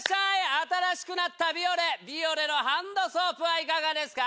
新しくなったビオレビオレのハンドソープはいかがですか？